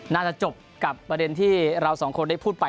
น่าจะจบกับประเด็นที่เราสองคนได้พูดไป